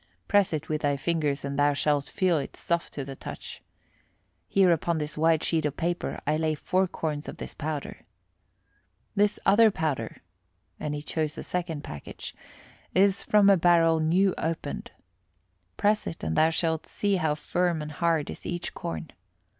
Press it with thy fingers and thou shalt feel it soft to the touch. Here upon this white sheet of paper I lay four corns of this powder. This other powder" and he chose a second package "is from a barrel new opened. Press it and thou shalt see how firm and hard is each corn.